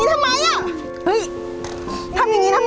ทำยังงี้ทำไม